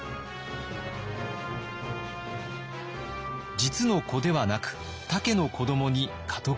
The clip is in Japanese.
実の子ではなく他家の子どもに家督を譲る。